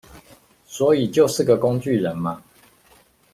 所以就是個工具人嘛